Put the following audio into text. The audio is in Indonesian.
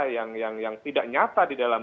yang tidak nyata di dalam